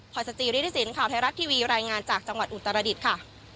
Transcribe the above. คอยสตรีอยู่ด้วยที่สินข่าวไทยรัฐทีวีรายงานจากจังหวัดอุตรดิษฐ์ค่ะ